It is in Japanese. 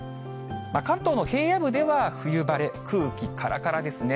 関東の平野部では冬晴れ、空気からからですね。